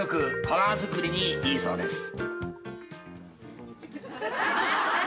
［パワーづくりにいいそうです］